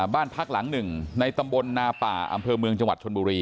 บ้านพักหลังหนึ่งในตำบลนาป่าอำเภอเมืองจังหวัดชนบุรี